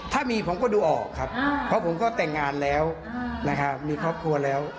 ถ้ามีผมก็ดูออกครับเพราะผมก็แต่งงานแล้วนะครับมีครอบครัวแล้ว